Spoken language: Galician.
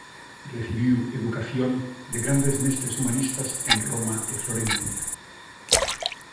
Recibiu educación de grandes mestres humanistas en Roma e Florencia.